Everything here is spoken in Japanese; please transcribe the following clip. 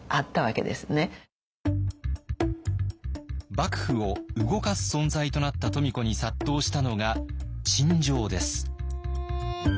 幕府を動かす存在となった富子に殺到したのが陳情です。